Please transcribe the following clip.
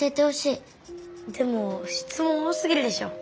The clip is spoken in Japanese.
でもしつもん多すぎるでしょ。